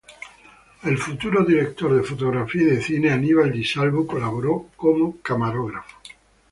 El futuro director de fotografía y de cine, Aníbal Di Salvo colaboró como camarógrafo.